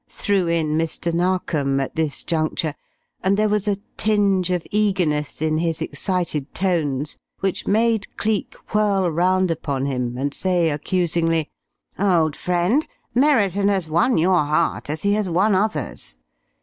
threw in Mr. Narkom at this juncture, and there was a tinge of eagerness in his excited tones, which made Cleek whirl round upon him and say, accusingly, "Old friend, Merriton has won your heart as he has won others'.